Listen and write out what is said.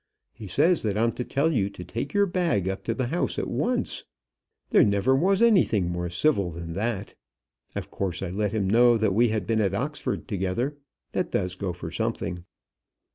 He says that I'm to tell you to take your bag up to the house at once. There never was anything more civil than that. Of course I let him know that we had been at Oxford together. That does go for something."